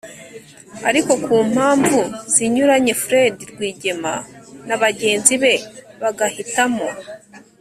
ariko ku mpamvu zinyuranye fred rwigema na bagenzi be bagahitamo